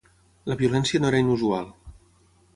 La violència no era inusual.